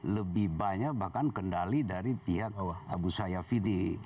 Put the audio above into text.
lebih banyak bahkan kendali dari pihak abu sayyaf ini